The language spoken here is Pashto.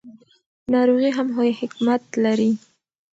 ناروغي هم حکمت لري.